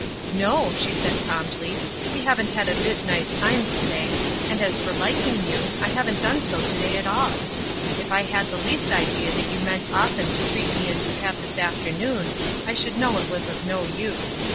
"No!" she said, promptly, "we haven't had a bit nice times to day, and as for liking you, I haven't done so to day at all. If I had the least idea that you meant often to treat me as you have this afternoon I should know it was of no use.